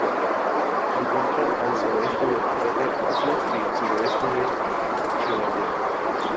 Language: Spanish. Se encuentra al sureste del cráter Atlas, y al suroeste de Chevallier.